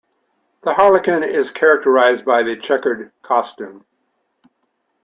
The Harlequin is characterized by his chequered costume.